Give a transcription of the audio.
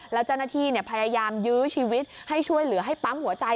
แล้วเจ้าหน้าที่พยายามยื้อชีวิตให้ช่วยเหลือให้ปั๊มหัวใจ